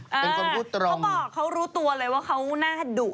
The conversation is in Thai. เป็นคนพูดตรงเขาบอกเขารู้ตัวเลยว่าเขาน่าดุ